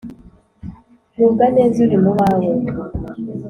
gubwa neza uri mu bawe